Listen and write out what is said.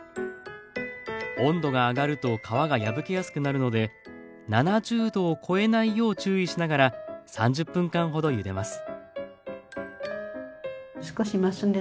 温度が上がると皮が破けやすくなるので７０℃を超えないよう注意しながら３０分間ほどゆでます。